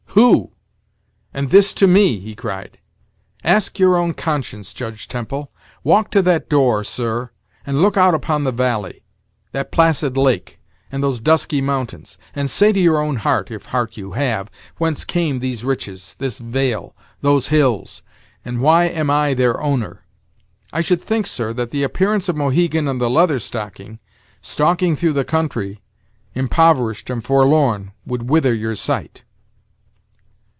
"Who! and this to me!" he cried; "ask your own conscience, Judge Temple. Walk to that door, sir, and look out upon the valley, that placid lake, and those dusky mountains, and say to your own heart, if heart you have, whence came these riches, this vale, those hills, and why am I their owner? I should think, sir, that the appearance of Mohegan and the Leather Stocking, stalking through the country, impoverished and forlorn, would wither your sight."